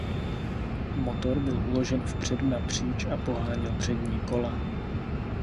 Motor byl uložen vpředu napříč a poháněl přední kola.